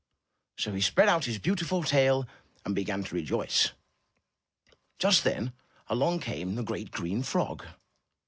So he spread out his beautiful tail and began to rejoice. Just then, along came a great, green frog.